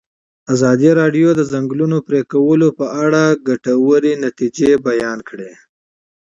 ازادي راډیو د د ځنګلونو پرېکول په اړه مثبت اغېزې تشریح کړي.